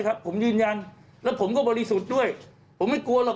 ครับผมยืนยันแล้วผมก็บริสุทธิ์ด้วยผมไม่กลัวหรอก